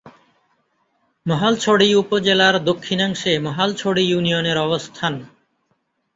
মহালছড়ি উপজেলার দক্ষিণাংশে মহালছড়ি ইউনিয়নের অবস্থান।